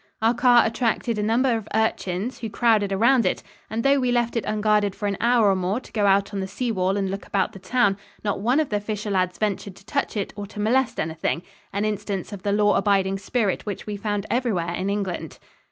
Our car attracted a number of urchins, who crowded around it and, though we left it unguarded for an hour or more to go out on the sea wall and look about the town, not one of the fisher lads ventured to touch it or to molest anything an instance of the law abiding spirit which we found everywhere in England.